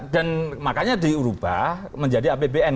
dan makanya diubah menjadi apbn